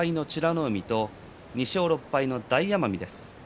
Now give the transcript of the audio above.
海と２勝６敗の大奄美です。